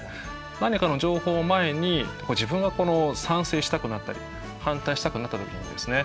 何かの情報を前に自分がこの賛成したくなったり反対したくなった時にですね